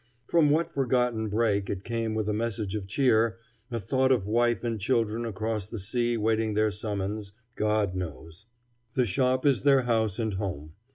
From what forgotten brake it came with a message of cheer, a thought of wife and children across the sea waiting their summons, God knows. The shop is their house and home.